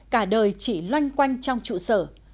cả đời chỉ loanh quanh trong trụ sở